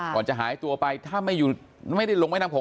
ก่อนจะหายตัวไปถ้าไม่ได้ลงแม่น้ำโข